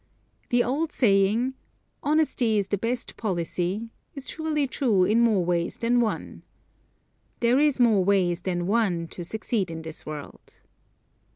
The old saying: "Honesty is the best policy," is surely true in more ways than one. There is more ways than one to succeed in this world.